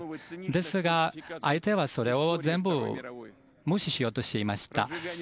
ですが、相手はそれを全部無視しようとしていました。